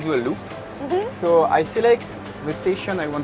dan kita ingin melakukan loop